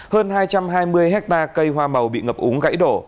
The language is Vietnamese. hơn hai trăm hai mươi hectare cây hoa màu bị ngập úng gãy đổ